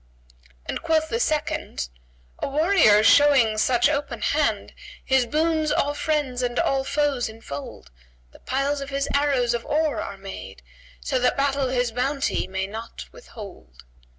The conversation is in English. And quoth the second, "A warrior showing such open hand, * His boons all friends and all foes enfold: The piles of his arrows of or are made, * So that battle his bounty may not withhold!"